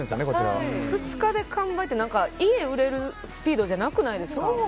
２日で完売って家売れるスピードじゃなくないですか？